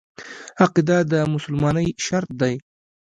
عقیده د مسلمانۍ شرط دی.